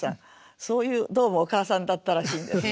そういうどうもお母さんだったらしいんです。